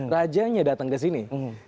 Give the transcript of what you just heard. rajanya datang ke sini